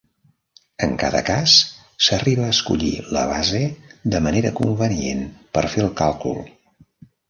En cada cas, s'arriba a escollir la base de manera convenient per fer el càlcul.